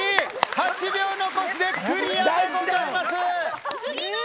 ８秒残しでクリアでございます。